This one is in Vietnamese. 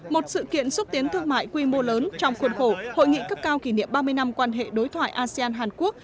một sự kiện xúc tiến thương mại quy mô lớn trong khuôn khổ hội nghị cấp cao kỷ niệm ba mươi năm quan hệ đối thoại asean hàn quốc